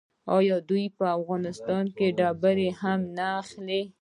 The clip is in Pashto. آیا دوی د افغانستان ډبرې هم نه اخلي؟